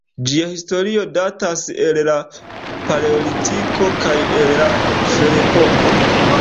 Ĝia historio datas el la Paleolitiko kaj el la Ferepoko.